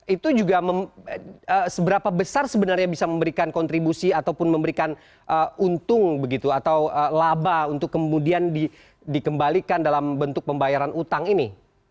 itu juga seberapa besar sebenarnya bisa memberikan kontribusi ataupun memberikan untung begitu atau laba untuk kemudian dikembalikan dalam bentuk pembayaran utang ini